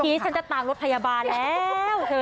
เมื่อกี้ฉันจะต่างรถทยาบาลแล้วเฮอลี่